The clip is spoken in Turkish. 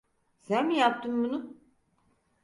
Sen mi yaptın bunu?